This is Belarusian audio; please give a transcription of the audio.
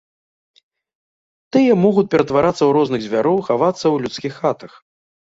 Тыя могуць ператварацца ў розных звяроў, хавацца ў людскіх хатах.